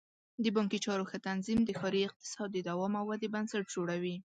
د بانکي چارو ښه تنظیم د ښاري اقتصاد د دوام او ودې بنسټ جوړوي.